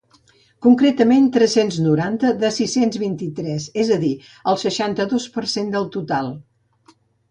Concretament, tres-cents noranta de sis-cents vint-i-tres, és a dir, el seixanta-dos per cent del total.